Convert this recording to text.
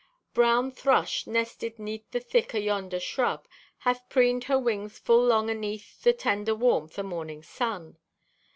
"Brown thrush, nested 'neath the thick o' yonder shrub, hath preened her wings full long aneath the tender warmth o' morning sun.